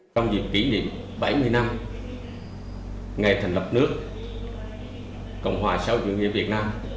trong dịp kỷ niệm bảy mươi năm ngày thành lập nước cộng hòa xã hội chủ nghĩa việt nam